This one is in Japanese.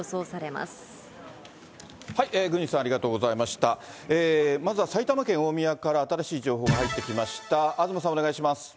まずは埼玉県大宮から、新しい情報が入ってきました。